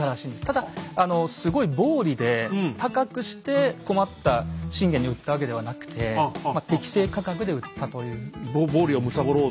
ただすごい暴利で高くして困った信玄に売ったわけではなくて適正価格で売ったというふうに。